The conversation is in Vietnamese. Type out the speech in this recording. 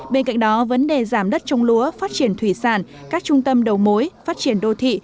bên cạnh đó vấn đề giảm đất trông lúa phát triển thủy sản các trung tâm đầu mối phát triển đô thị